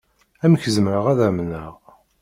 Amek zemreɣ ad amneɣ?